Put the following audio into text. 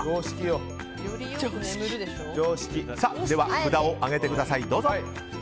では、札を上げてください。